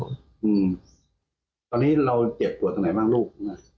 อืมตอนนี้เราเจ็บปวดตรงไหนบ้างลูกนะ